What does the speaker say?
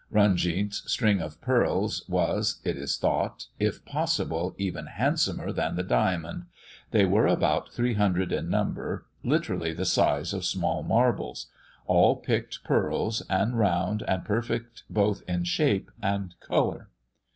Runjeet's string of pearls was, it is thought, if possible, even handsomer than the diamond; they were about three hundred in number, literally the size of small marbles, all picked pearls, and round, and perfect both in shape and colour.